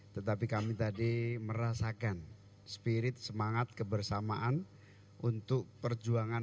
tetapi kami tadi merasakan spirit semangat kebersamaan untuk perjuangan